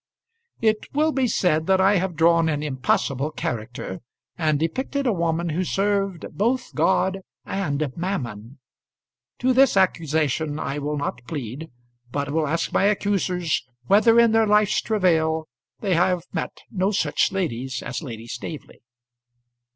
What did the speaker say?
It will be said that I have drawn an impossible character, and depicted a woman who served both God and Mammon. To this accusation I will not plead, but will ask my accusers whether in their life's travail they have met no such ladies as Lady Staveley?